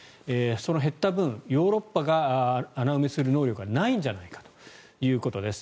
その減った分ヨーロッパが穴埋めする能力がないんじゃないかということです。